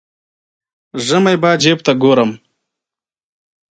ژمی به جیب ته ګورم.